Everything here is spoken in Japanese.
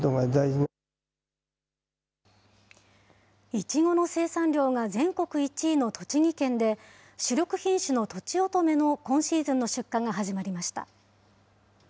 いちごの生産量が全国１位の栃木県で、主力品種のとちおとめの今シーズンの出荷が始まりました。